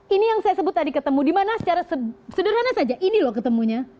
ini yang saya sebut tadi ketemu dimana secara sederhana saja ini loh ketemunya